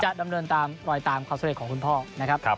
ดำเนินตามรอยตามความสำเร็จของคุณพ่อนะครับ